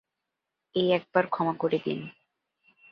এই একবার ক্ষমা করে দিন।